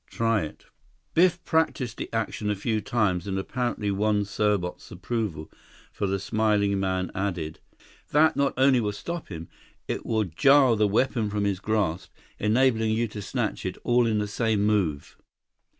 Try it." Biff practiced the action a few times and apparently won Serbot's approval, for the smiling man added: "That not only will stop him, it will jar the weapon from his grasp, enabling you to snatch it all in the same move."